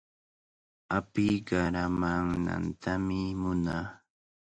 Api qaramaanantami munaa.